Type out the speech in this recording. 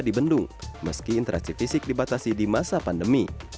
dibendung meski interaksi fisik dibatasi di masa pandemi